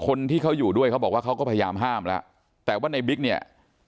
คนที่เขาอยู่ด้วยเขาบอกว่าเขาก็พยายามห้ามแล้วแต่ว่าในบิ๊กเนี่ย